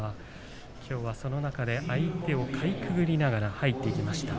その中で、相手をかいくぐりながら入っていきました。